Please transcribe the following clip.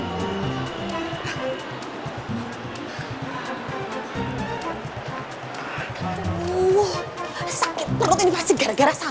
wah sakit perut ini pasti gara gara sakit